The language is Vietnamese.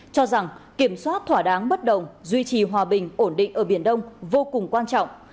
cho rằng kiểm soát thỏa đáng bất đồng duy trì hòa bình ổn định ở biển đông vô cùng quan trọng